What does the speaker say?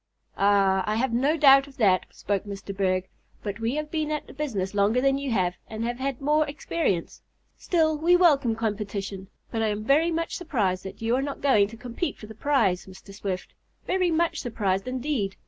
"Ah, I have no doubt of that," spoke Mr. Berg, "but we have been at the business longer than you have, and have had more experience. Still we welcome competition. But I am very much surprised that you are not going to compete for the prize, Mr. Swift. Very much surprised, indeed!